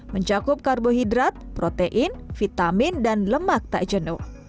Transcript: mencakup karbohidrat protein vitamin dan lemak tak jenuh